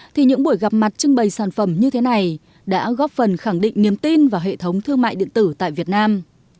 thì những buổi gặp mặt trưng bày sản phẩm như thế này đã góp phần khẳng định niềm tin vào hệ thống thương mại điện tử tại việt nam